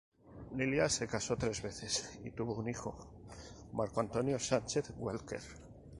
Lilia se casó tres veces y tuvo un hijo: Marco Antonio Sánchez Welker.